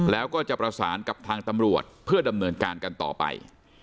แล้วก็จะประสานกับทางตำรวจเพื่อดำเนินการกันต่อไป